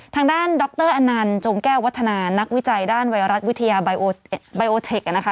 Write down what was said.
ทางด้านดรอนันต์จงแก้ววัฒนานักวิจัยด้านไวรัสวิทยาไบโอเทคนะคะ